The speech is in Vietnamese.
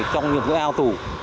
trong những cái ao tủ